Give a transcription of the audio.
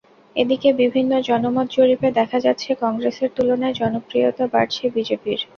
এদিকে বিভিন্ন জনমত জরিপে দেখা যাচ্ছে, কংগ্রেসের তুলনায় জনপ্রিয়তা বাড়ছে বিজেপির।